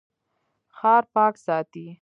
ښار پاک ساتئ